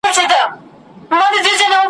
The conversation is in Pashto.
نه یوازي د جیولوجي یو لایق انجنیر وو ,